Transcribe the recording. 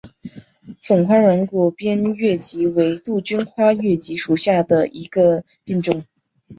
粉花软骨边越桔为杜鹃花科越桔属下的一个变种。